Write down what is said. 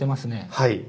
はい。